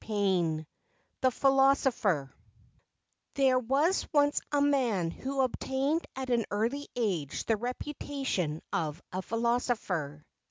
II THE PHILOSOPHER THERE was once a man who obtained at an early age the reputation of a philosopher.